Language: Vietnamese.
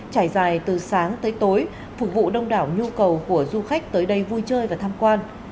trải dài từ sáng tới tối phục vụ đông đảo nhu cầu của du khách tới đây vui chơi và tham quan